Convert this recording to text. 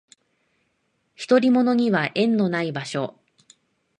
独り者には縁のない場所